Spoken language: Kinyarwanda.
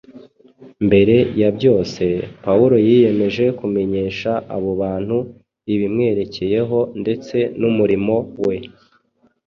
Mbere ya byose, Pawulo yiyemeje kumenyesha abo bantu ibimwerekeyeho ndetse n’umurimo we.